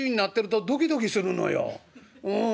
うん。